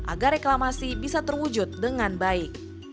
agar reklamasi bisa terwujud dengan baik